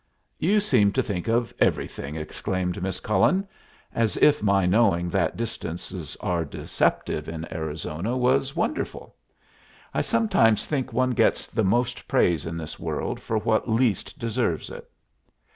"You seem to think of everything," exclaimed Miss Cullen, as if my knowing that distances are deceptive in Arizona was wonderful. I sometimes think one gets the most praise in this world for what least deserves it.